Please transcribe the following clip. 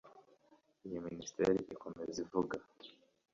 Iyi Minisiteri ikomeza ivuga